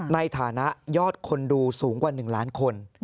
ในฐานะยอดคนดูสูงกว่า๑ล้านคน